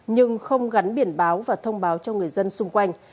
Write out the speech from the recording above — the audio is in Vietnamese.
nhưng không gắn biển báo và thông báo cho người dân xung quanh